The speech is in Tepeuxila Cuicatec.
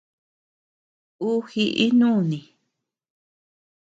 Ú jiʼi nùni.